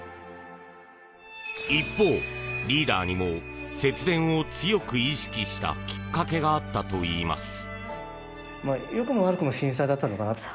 一方、リーダーにも節電を強く意識したきっかけがあったといいます。